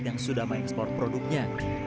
yang sudah mengekspor produknya